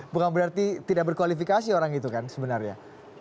bukan berarti tidak berkualifikasi orang itu kan sebenarnya